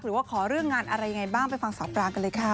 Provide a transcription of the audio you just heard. หรือว่าขอเรื่องงานอะไรยังไงบ้างไปฟังสาวปรางกันเลยค่ะ